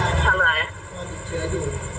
โหพ่อแก้พาไอ้กันเนี่ย